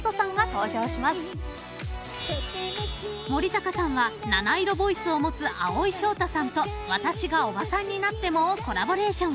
［森高さんは七色ボイスを持つ蒼井翔太さんと『私がオバさんになっても』をコラボレーション］